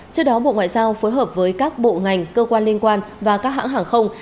trước đó bộ ngoại giao phối hợp với các bộ ngành cơ quan liên quan và các hãng hàng không